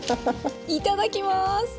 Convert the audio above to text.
いただきます。